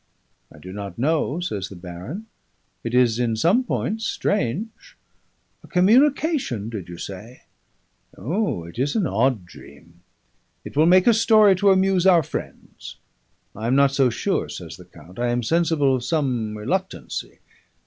'I do not know,' says the baron. 'It is in some points strange. A communication, did you say! O! it is an odd dream. It will make a story to amuse our friends.' 'I am not so sure,' says the count. 'I am sensible of some reluctancy.